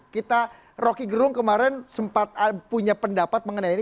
kita rocky gerung kemarin sempat punya pendapat mengenai ini